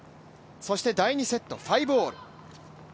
そして第２セット、５−５。